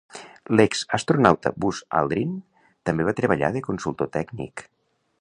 L'ex-astronauta Buzz Aldrin també va treballar de consultor tècnic.